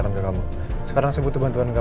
kayaknya kalau kita tiduk hidup aja